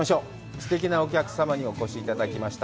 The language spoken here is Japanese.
すてきなお客様にお越しいただきました。